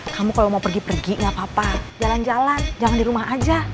kamu kalau mau pergi pergi gapapa jalan jalan jangan di rumah aja